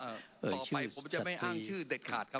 ต่อไปผมจะไม่อ้างชื่อเด็ดขาดครับ